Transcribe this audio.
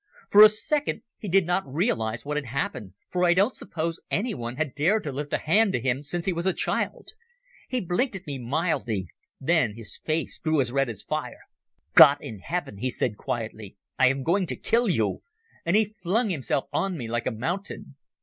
For a second he did not realize what had happened, for I don't suppose anyone had dared to lift a hand to him since he was a child. He blinked at me mildly. Then his face grew as red as fire. "God in heaven," he said quietly. "I am going to kill you," and he flung himself on me like a mountain.